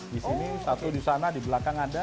di sini satu di sana di belakang ada